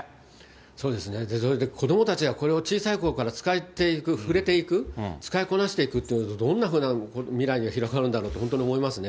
そうですね、子どもたちはこれを小さいときから使っていく、触れていく、使いこなしていくってことになると、どんなふうな未来が広がるんだろうと本当に思いますね。